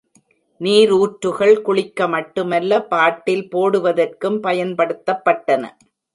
நீரூற்றுகள் குளிக்க மட்டுமல்ல, பாட்டில் போடுவதற்கும் பயன்படுத்தப்பட்டன.